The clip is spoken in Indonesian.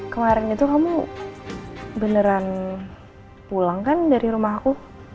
kemarin itu kamu beneran pulang kan dari rumah aku